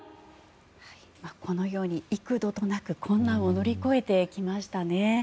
このように幾度となく困難を乗り越えてきましたね。